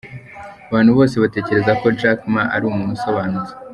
Abantu bose batekereza ko Jack Ma ari umuntu usobanutse.